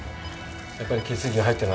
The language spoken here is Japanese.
やっぱり血液が入ってない。